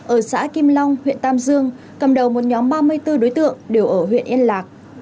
ở xã kim long huyện tam dương cầm đầu một nhóm ba mươi bốn đối tượng đều ở huyện yên lạc